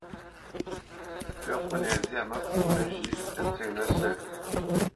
Lə́ kúnɛ zyâ məfǔʼnə zhʉ̌ʼ tə ntsə́ nə̂ sə̂.